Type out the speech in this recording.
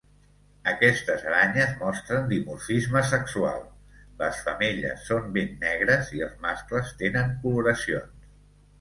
Aquestes aranyes mostren dimorfisme sexual; les femelles són ben negres; i els mascles tenen coloracions.